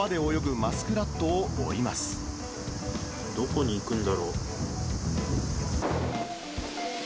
どこに行くんだろう？